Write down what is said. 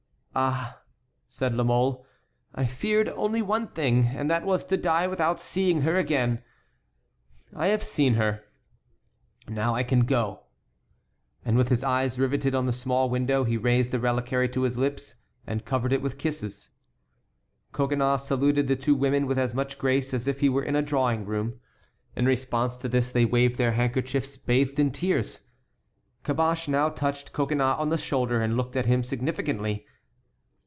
"Ah!" said La Mole, "I feared only one thing, and that was to die without seeing her again. I have seen her; now I can go." And with his eyes riveted on the small window he raised the reliquary to his lips and covered it with kisses. Coconnas saluted the two women with as much grace as if he were in a drawing room. In response to this they waved their handkerchiefs bathed in tears. Caboche now touched Coconnas on the shoulder, and looked at him significantly.